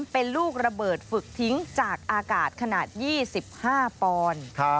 เป็นลูกระเบิดฝึกทิ้งจากอากาศขนาด๒๕ปอนด์